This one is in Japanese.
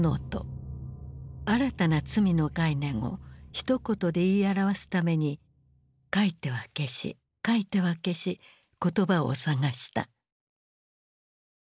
新たな罪の概念をひと言で言い表すために書いては消し書いては消し言葉を探した。